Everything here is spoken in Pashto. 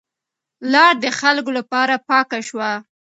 لار د خلکو لپاره پاکه شوه.